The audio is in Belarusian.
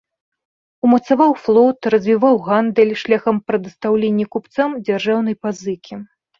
Умацаваў флот, развіваў гандаль шляхам прадастаўлення купцам дзяржаўнай пазыкі.